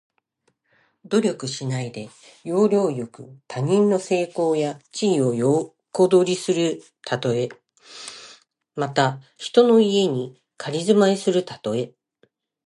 努力しないで、要領よく他人の成功や地位を横取りするたとえ。また、人の家に仮住まいするたとえ。